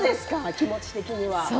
気持ち的には。